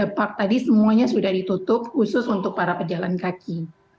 depark tadi semuanya sudah ditutup khusus untuk para pejalan kaki